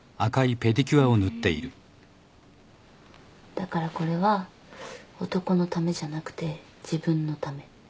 だからこれは男のためじゃなくて自分のため。